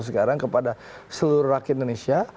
sekarang kepada seluruh rakyat indonesia